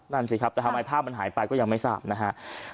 นั่นสิครับแต่ทำไมภาพมันหายไปก็ยังไม่ทราบนะครับ